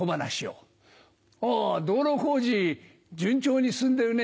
あ道路工事順調に進んでるね。